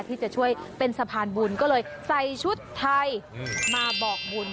ที่จะช่วยเป็นสะพานบุญก็เลยใส่ชุดไทยมาบอกบุญ